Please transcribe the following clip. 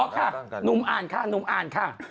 ค่ะหนุ่มอ่านค่ะหนุ่มอ่านค่ะ